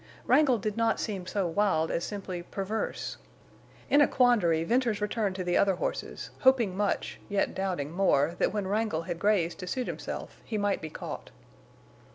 Wrangle did not seem so wild as simply perverse. In a quandary Venters returned to the other horses, hoping much, yet doubting more, that when Wrangle had grazed to suit himself he might be caught.